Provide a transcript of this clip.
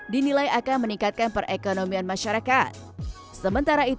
dinilai akan meningkatkan perekonomian masyarakat